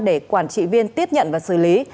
để quản trị viên tiếp nhận và xử lý